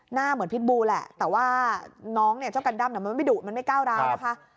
หน้าเหมือนพิษบูแหละแต่ว่าน้องเนี่ยเจ้ากันด้ำมันไม่ดุมันไม่ก้าวร้าวนะคะ